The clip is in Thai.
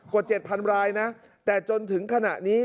๗๐๐รายนะแต่จนถึงขณะนี้